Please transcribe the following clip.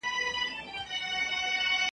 د ړانده سړي تر لاسه یې راوړی .